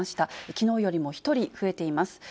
きのうよりも１人増えています。